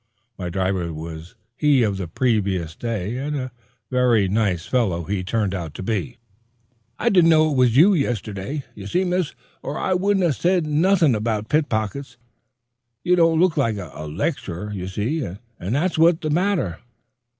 My Jehu was he of the previous day, and a very nice fellow he turned out to be. "I didn't know it was you yesterday, you see, miss, or I wouldn't have said nothing about pickpockets. You don't look like a lecturer, you see, and that's what's the matter."